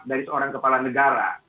dari seorang kepala negara